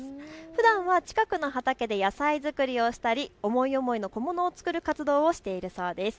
ふだんは近くの畑で野菜作りをしたり思い思いの小物を作る活動をしているそうです。